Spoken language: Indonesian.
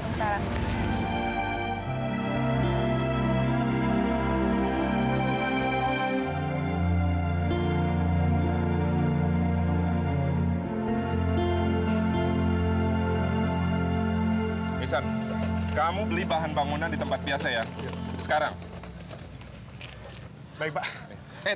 itu suara apa itu bukan ayah